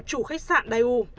chủ khách sạn dai u